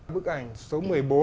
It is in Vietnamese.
bức ảnh số một mươi bốn